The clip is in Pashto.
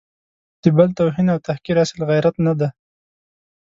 د بل توهین او تحقیر اصیل غیرت نه دی.